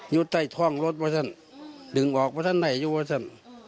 อยู่ใต้ท้องรถว่ะสันดึงออกว่ะสันไหนอยู่ว่ะสัน